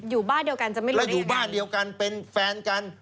อยู่บ้านเดียวกันจะไม่รู้แล้วอยู่บ้านเดียวกันเป็นแฟนกัน